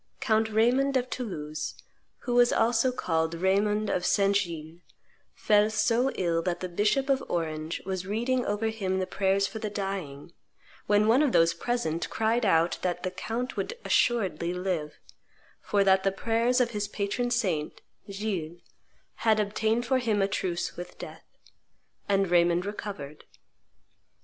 Count Raymond of Toulouse, who was also called Raymond of Saint Gilles, fell so ill that the bishop of Orange was reading over him the prayers for the dying, when one of those present cried out that the count would assuredly live, for that the prayers of his patron saint, Gilles, had obtained for him a truce with death. And Raymond recovered.